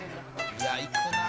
「いやいくな」